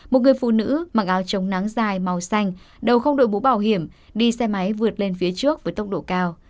một người phụ nữ mặc áo chống nắng dài màu xanh đầu không đội bú bảo hiểm đi xe máy vượt lên phía trước với tốc độ cao